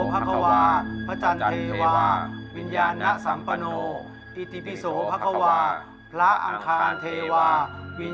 มันเป็นไงวะเนี่ย